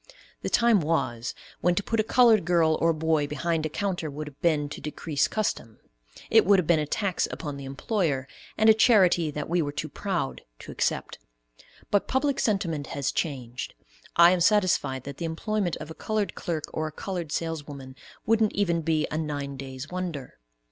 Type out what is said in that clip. The time was when to put a colored girl or boy behind a counter would have been to decrease custom; it would have been a tax upon the employer, and a charity that we were too proud to accept; but public sentiment has changed. I am satisfied that the employment of a colored clerk or a colored saleswoman wouldn't even be a "nine days' wonder."